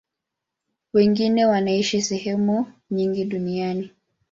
Wengine wanaishi sehemu nyingi duniani.